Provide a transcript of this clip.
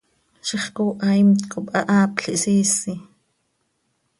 ¡Ziix cooha imt cop hahaapl ihsiisi!